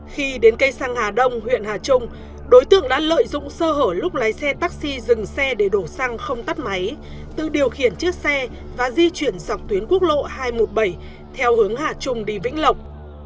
khi đến cây xăng hà đông huyện hà trung đối tượng đã lợi dụng sơ hở lúc lái xe taxi dừng xe để đổ xăng không tắt máy tự điều khiển chiếc xe và di chuyển dọc tuyến quốc lộ hai trăm một mươi bảy theo hướng hà trung đi vĩnh lộc